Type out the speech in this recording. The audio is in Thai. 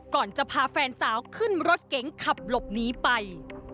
ก่อนจะพาแฟนสาวขึ้นรถเก๋งขับหลบหนีไป